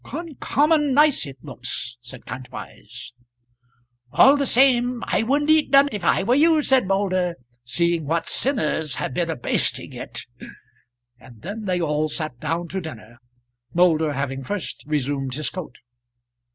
"Uncommon nice it looks," said Kantwise. "All the same, I wouldn't eat none, if I were you," said Moulder, "seeing what sinners have been a basting it." And then they all sat down to dinner, Moulder having first resumed his coat.